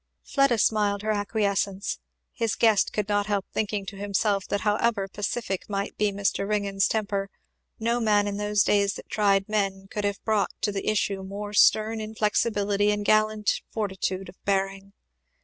Fleda smiled her acquiescence. His guest could not help thinking to himself that however pacific might be Mr. Ringgan's temper, no man in those days that tried men could have brought to the issue more stern inflexibility and gallant fortitude of bearing.